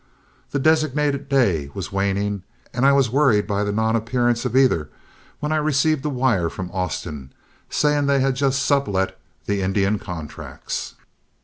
The designated day was waning, and I was worried by the non appearance of either, when I received a wire from Austin, saying they had just sublet the Indian contracts.